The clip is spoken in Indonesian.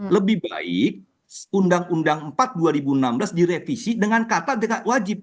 lebih baik undang undang empat dua ribu enam belas direvisi dengan kata dengan wajib